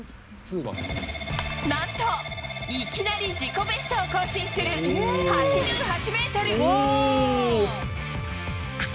なんと、いきなり自己ベストを更新する８８メートル。